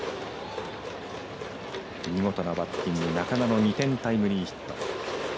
見事なバッティング中野の２点タイムリーヒット。